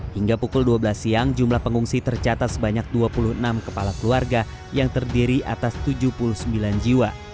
hingga pukul dua belas siang jumlah pengungsi tercatat sebanyak dua puluh enam kepala keluarga yang terdiri atas tujuh puluh sembilan jiwa